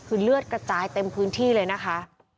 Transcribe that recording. คือเลือดกระจายเต็มพื้นที่เลยนะคะ